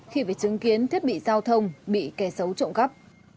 khi phải chứng kiến thiết bị giao thông bị kẻ xấu trộm cắp